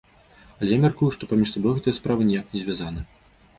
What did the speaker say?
Але, я мяркую, што паміж сабой гэтыя справы ніяк не звязаны.